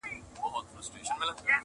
ژبه یې لمبه ده اور په زړه لري!